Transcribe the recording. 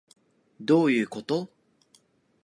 どういうこと？